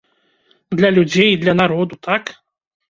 Для людзей, для народу, так?